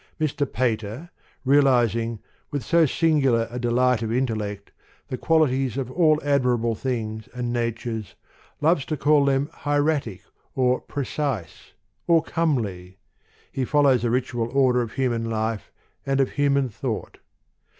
Mr. Pater, realizing with so singular a delight of intellect, the qualities of all admirable things and na tures, loves to call them hieratic^ or precise^ or comely: he follows the ritual order of human life and of human thought.